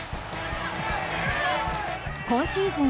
今シーズン